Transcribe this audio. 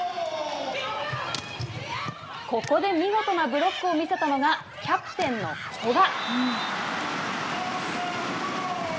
ここで見事なブロックを見せたのがキャプテンの古賀。